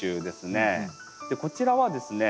こちらはですね